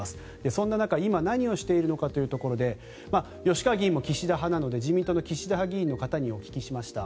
そんな中、今何をしているのかというところで吉川議員も岸田派なので自民党の岸田派議員の方にお聞きしました。